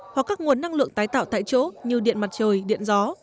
hoặc các nguồn năng lượng tái tạo tại chỗ như điện mặt trời điện gió